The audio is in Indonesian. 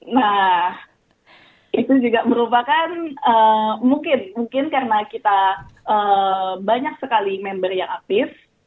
nah itu juga merupakan mungkin karena kita banyak sekali member yang aktif